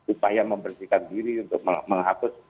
upaya membersihkan diri untuk menghapus